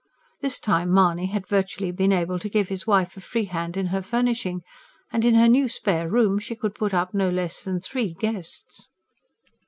This time Mahony had virtually been able to give his wife a free hand in her furnishing. And in her new spare room she could put up no less than three guests!